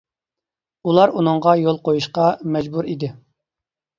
ئۇلار ئۇنىڭغا يول قويۇشقا مەجبۇر ئىدى.